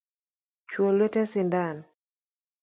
Chwo lwete sindan